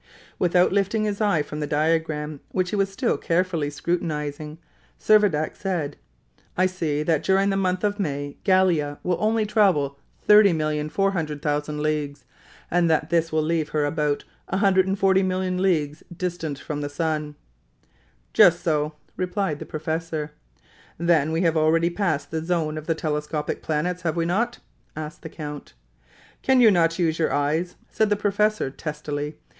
Without lifting his eye from the diagram, which he was still carefully scrutinizing, Servadac said, "I see that during the month of May, Gallia will only travel 30,400,000 leagues, and that this will leave her about 140,000,000 leagues distant from the sun." "Just so," replied the professor. "Then we have already passed the zone of the telescopic planets, have we not?" asked the count. "Can you not use your eyes?" said the professor, testily.